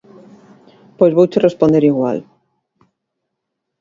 Pois vouche responder igual.